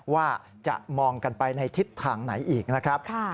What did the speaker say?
ว่าจะมองกันไปในทิศทางไหนอีกนะครับ